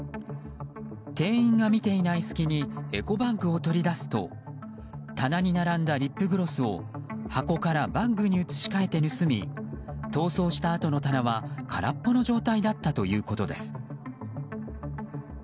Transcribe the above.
店員が見ていない隙にエコバッグを取り出すと棚に並んだリップグロスを箱からバッグに移し替えて盗み逃走したあとの棚は空っぽの状態だったということです。